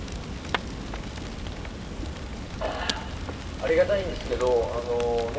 ありがたいんですけどあのね